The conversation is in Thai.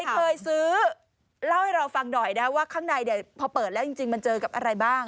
เคยซื้อเล่าให้เราฟังหน่อยนะว่าข้างในพอเปิดแล้วจริงมันเจอกับอะไรบ้าง